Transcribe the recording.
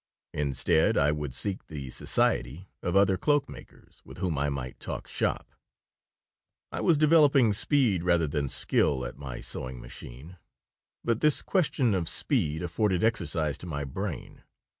Instead, I would seek the society of other cloak makers with whom I might talk shop I was developing speed rather than skill at my sewing machine, but this question of speed afforded exercise to my brain.